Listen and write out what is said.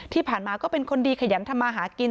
ที่ผ่านมาก็เป็นคนดีขยันทำมาหากิน